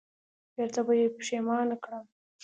بېرته به یې پښېمان کړم